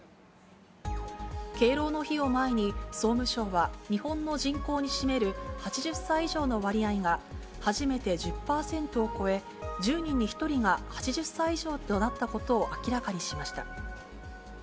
敬老の日を前に、総務省は、日本の人口に占める８０歳以上の割合が初めて１０％を超え、１０人に１人が８０歳以上となったことを明らかにしました。